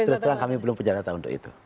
terus terang kami belum penjara tahun itu